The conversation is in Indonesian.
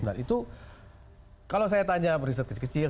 nah itu kalau saya tanya riset kecil kecil